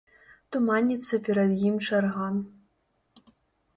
Туманіцца перад ім чарга.